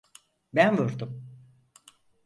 Ben vurdum.